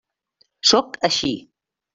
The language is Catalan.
Sóc així.